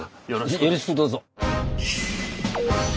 よろしくどうぞ。